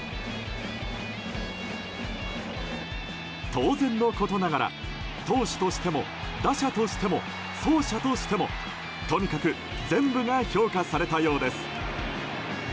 当然のことながら投手としても、打者としても走者としてもとにかく全部が評価されたようです。